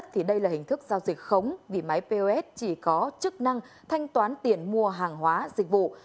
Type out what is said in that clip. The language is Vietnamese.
thức giao dịch khống vì máy pos chỉ có chức năng thanh toán tiền mua hàng hóa dịch vụ